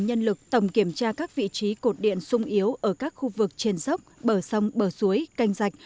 nhân lực tổng kiểm tra các vị trí cột điện sung yếu ở các khu vực trên dốc bờ sông bờ suối canh rạch